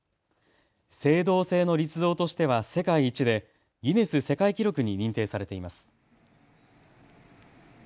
青銅製の立像としては世界一でギネス世界記録に認定されています。